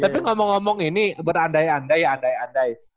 tapi ngomong ngomong ini berandai andai andai andai